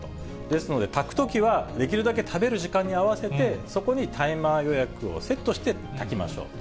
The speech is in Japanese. ですので、炊くときはできるだけ食べる時間に合わせて、そこにタイマー予約をセットして炊きましょう。